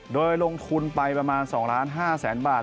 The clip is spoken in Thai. โดยลงทุนไปประมาณ๒๕๐๐๐๐บาท